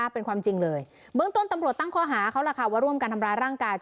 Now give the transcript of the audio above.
เป็นความจริงเลยเบื้องต้นตำรวจตั้งข้อหาเขาล่ะค่ะว่าร่วมกันทำร้ายร่างกาย